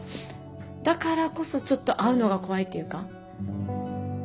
だからこそちょっと会うのが怖いっていうか。